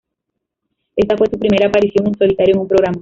Esta fue su primera aparición en solitario en un programa.